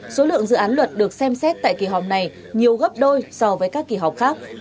số lượng dự án luật được xem xét tại kỳ họp này nhiều gấp đôi so với các kỳ họp khác